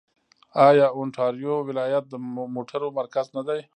آیا اونټاریو ولایت د موټرو مرکز نه دی؟